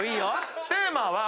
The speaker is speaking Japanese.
テーマは。